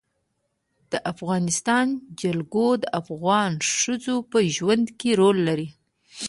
د افغانستان جلکو د افغان ښځو په ژوند کې رول لري.